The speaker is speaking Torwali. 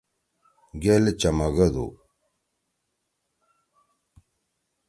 گیل چَمَگُو